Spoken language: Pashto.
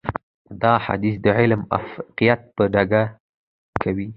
دا حديث د علم افاقيت په ډاګه کوي.